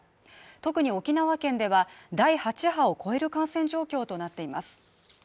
特に沖縄県では第８波を超える感染状況となっています。